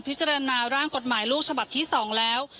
พิจารณาร่างกฎหมายลูกฉบับที่๒แล้ว